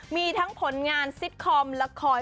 มีทั้งผลงานซิตคอมละคร